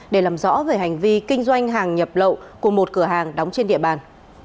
để làm rõ về hành vi kinh doanh hàng nhập lậu của một cửa hàng đóng trên địa bàn